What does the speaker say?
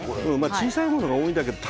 小さいものが多いんだけれども